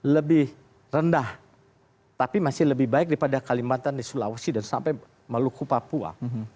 lebih rendah tapi masih lebih baik daripada kalimantan di sulawesi dan sampai maluku papua